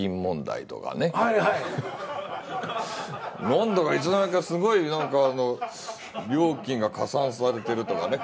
何だかいつの間にかすごい料金が加算されてるとかね。